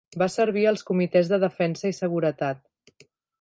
Va servir als comitès de defensa i seguretat.